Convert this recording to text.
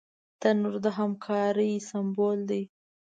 تنور د همکارۍ سمبول دی